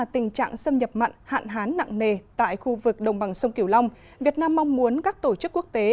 tình trạng xâm nhập mặn hạn hán nặng nề tại khu vực đồng bằng sông kiểu long việt nam mong muốn các tổ chức quốc tế